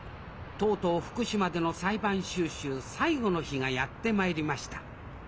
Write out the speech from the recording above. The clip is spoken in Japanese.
とうとう福島での裁判修習最後の日がやって参りました。